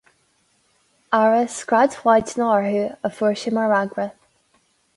Ara, scread mhaidne orthu, a fuair sé mar fhreagra.